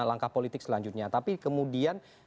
langkah politik selanjutnya tapi kemudian